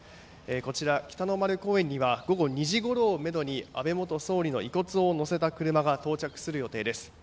こちら、北の丸公園には午後２時ごろをめどに安倍元総理の遺骨を載せた車が到着する予定です。